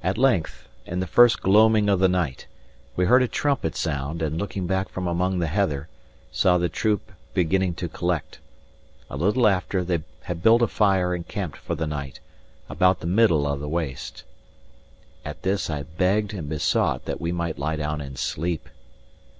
At length, in the first gloaming of the night, we heard a trumpet sound, and looking back from among the heather, saw the troop beginning to collect. A little after, they had built a fire and camped for the night, about the middle of the waste. At this I begged and besought that we might lie down and sleep.